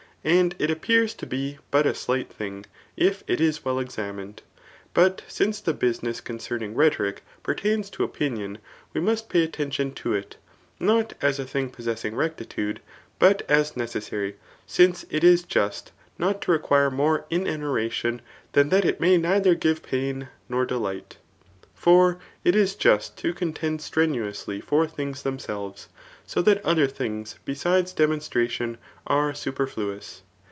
And it appears to be but a sUght thing, if it is well examined. But smce the business concemii^ rhetoric pertains to opinion, we must pay attenticm to it, not as a thing possessing recti tude, but as necessary ; since it is just not to require more in an oratbn, than that it may neither give pain, nor delight. For it is just to contend strenuously for things themselves; so that othar things besides demon stration are superfluous.